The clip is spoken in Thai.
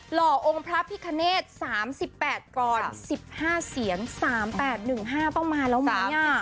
ห่อองค์พระพิคเนต๓๘กร๑๕เสียง๓๘๑๕ต้องมาแล้วไหม